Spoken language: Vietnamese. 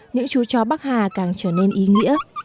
những chú chó bắc hà càng trở nên ý nghĩa